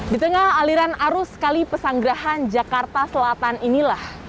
di tengah aliran arus kali pesanggerahan jakarta selatan inilah